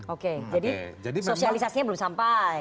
oke jadi sosialisasinya belum sampai